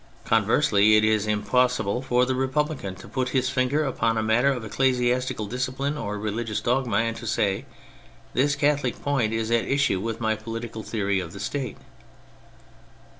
Conversely, it is impossible for the Republican to put his finger upon a matter of ecclesiastical discipline or religious dogma and to say, " This Catholic point is at issue with my political theory of the State."